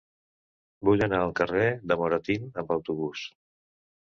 Vull anar al carrer de Moratín amb autobús.